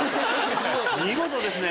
見事ですね！